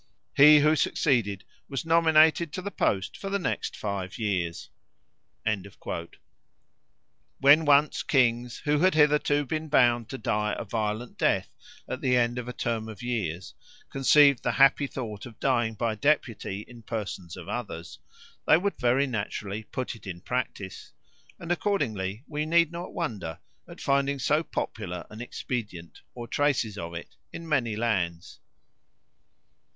He who succeeded was nominated to the post for the next five years." When once kings, who had hitherto been bound to die a violent death at the end of a term of years, conceived the happy thought of dying by deputy in the persons of others, they would very naturally put it in practice; and accordingly we need not wonder at finding so popular an expedient, or traces of it, in many lands.